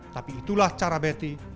tapi itulah cara bekti